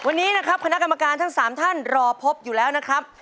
วันนี้นะครับคณะกรรมการทั้ง๓ท่านรอพบอยู่แล้วนะครับ